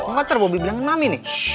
nggak terbawa bibi bilangin mami nih